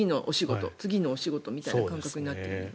次のお仕事みたいな感覚になっている。